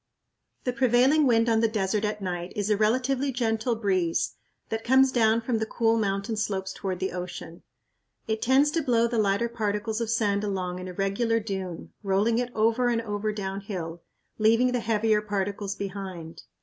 The prevailing wind on the desert at night is a relatively gentle breeze that comes down from the cool mountain slopes toward the ocean. It tends to blow the lighter particles of sand along in a regular dune, rolling it over and over downhill, leaving the heavier particles behind.